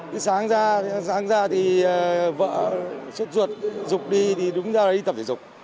thế sáng ra sáng ra thì vợ xuất ruột dục đi thì đúng ra là đi tập thể dục